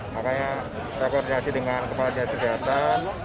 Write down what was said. makanya saya koordinasi dengan kepala dinas kesehatan